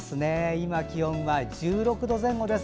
今、気温が１６度前後です。